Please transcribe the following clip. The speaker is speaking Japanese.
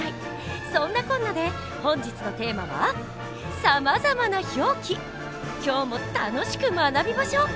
そんなこんなで本日のテーマは今日も楽しく学びましょう！